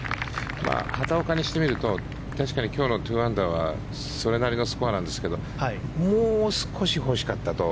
畑岡にしてみると確かに今日の２アンダーはそれなりのスコアなんですけどもう少し欲しかったと。